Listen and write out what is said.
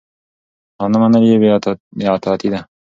او نه منل يي بي اطاعتي ده